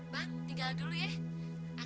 bang tinggal dulu ya